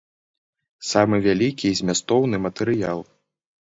Самы вялікі і змястоўны матэрыял.